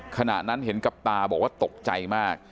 ขณะนั้นเห็นกับตาบอกว่าตกใจมาก